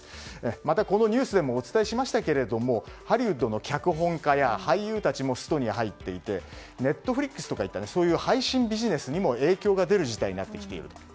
また、このニュースでもお伝えしましたがハリウッドの脚本家や俳優たちもストに入っていてＮｅｔｆｌｉｘとかいうそういう配信ビジネスにも影響が出る事態になってきていると。